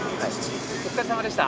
お疲れさまでした。